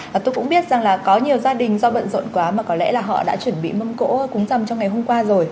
và tôi cũng biết rằng là có nhiều gia đình do bận rộn quá mà có lẽ là họ đã chuẩn bị mâm cỗ cúng rầm trong ngày hôm qua rồi